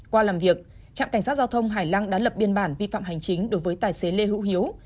qua làm việc trạm cảnh sát giao thông hải lăng đã lập biên bản vi phạm hành chính đối với tài xế lê hữu hiếu